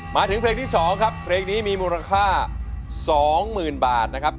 มาถึงเพลงที่๒ครับเพลงนี้มีมูลค่า๒๐๐๐บาทนะครับ